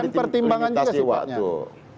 pertimbangan juga sebetulnya